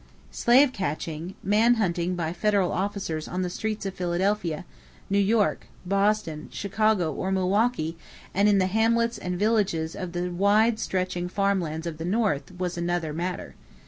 "Slave catching," "man hunting" by federal officers on the streets of Philadelphia, New York, Boston, Chicago, or Milwaukee and in the hamlets and villages of the wide stretching farm lands of the North was another matter.